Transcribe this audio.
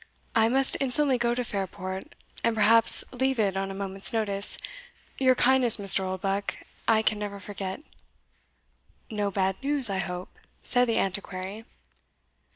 "I must instantly go to Fairport, and perhaps leave it on a moment's notice; your kindness, Mr. Oldbuck, I can never forget." "No bad news, I hope?" said the Antiquary.